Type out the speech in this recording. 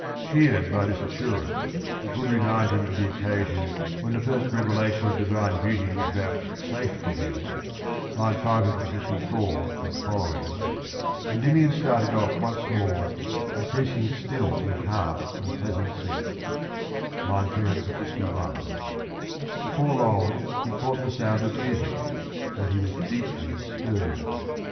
Cheered by this assurance, which would remind him of the occasion when the first revelation of divine beauty was vouchsafed to him (I. 554 sq.), Endymion started off once more " increasing still in heart and pleasant sense " 39 (II. 35 1) Before long he caught the sound of music, and he was deeply stirred.